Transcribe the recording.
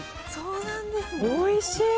おいしい。